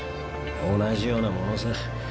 同じようなものさ。